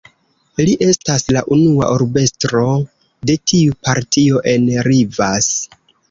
Li estas la unua urbestro de tiu partio en Rivas.